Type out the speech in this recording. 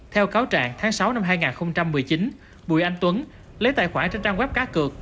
theo cáo trạng tháng sáu năm hai nghìn một mươi chín bùi anh tuấn lấy tài khoản trên trang web cá cược